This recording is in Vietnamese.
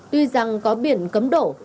tuy rằng có biển cấm đổ